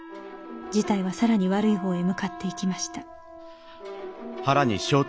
事態は更に悪い方へ向かっていきました